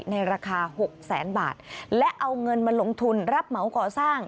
ในราคาหกแสนบาทและเอาเงินมาลงทุนรับเหมาก่อสร้าง